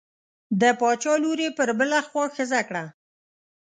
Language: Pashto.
د باچا لور یې پر بله خوا ښخه کړه.